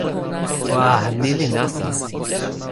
wa, ni li nasa.